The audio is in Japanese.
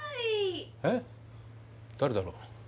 え誰だろう。